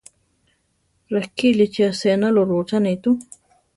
Rakilíchi asénalo rúchane tu.